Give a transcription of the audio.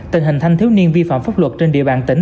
tình hình thanh thiếu niên vi phạm pháp luật trên địa bàn tỉnh